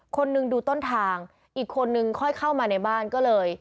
คนนึงดูต้นทางอีกคนนึงค่อยเข้ามาในบ้านก็เลย